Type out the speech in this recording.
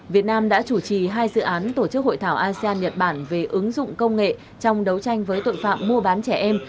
việt nam đã chủ trì hai dự án tổ chức hội thảo asean nhật bản về ứng dụng công nghệ trong đấu tranh với tội phạm mua bán trẻ em